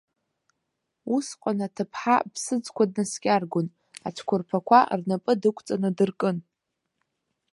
Усҟан аҭыԥҳа аԥсыӡқәа днаскьаргон, ацәқәырԥақәа рнапы дықәҵаны дыркын.